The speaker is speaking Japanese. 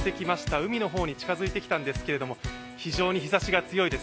海の方に近づいてきたんですけど、非常に日差しが強いです。